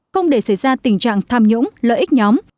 không để xảy ra tình trạng tham nhũng lợi ích nhóm